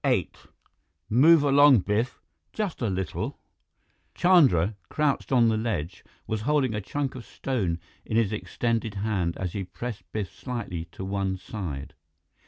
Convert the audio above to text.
VIII "Move along, Biff just a little " Chandra, crouched on the ledge, was holding a chunk of stone in his extended hand as he pressed Biff slightly to one side.